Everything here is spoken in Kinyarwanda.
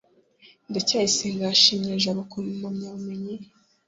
ndacyayisenga yashimye jabo ku mpamyabumenyi ye